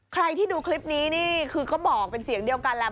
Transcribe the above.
ใครที่ดูคลิปนี้นี่คือก็บอกเป็นเสียงเดียวกันแหละ